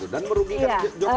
dan merugikan jokowi